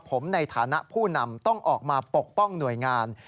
ผมในฐานะผู้นำต้องออกมาปกป้องหน่วยงาน